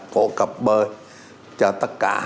hộ cập bơi cho tất cả